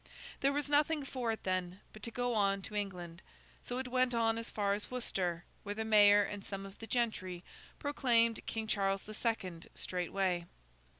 There was nothing for it then, but to go on to England; so it went on as far as Worcester, where the mayor and some of the gentry proclaimed King Charles the Second straightway.